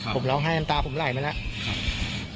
ผมร้องไห้น้ำตาผมไหลไปแล้ว